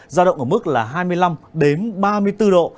giao động ở mức là hai mươi năm đến ba mươi bốn độ